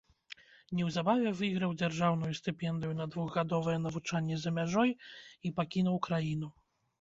Неўзабаве выйграў дзяржаўную стыпендыю на двухгадовае навучанне за мяжой і пакінуў краіну.